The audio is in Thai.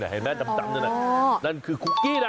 เห็นมั้ยจำนั่นคือคุกกี้นะ